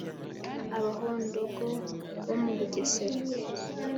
abahondogo bo mu bugesera?